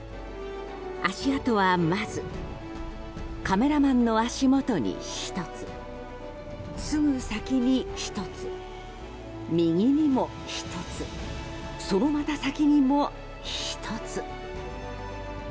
足跡は、まずカメラマンの足元に１つすぐ先に１つ、右にも１つそのまた先にも１つ。